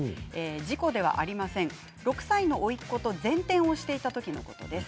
事故ではありません６歳のおいっ子と前転をしていたときのことです。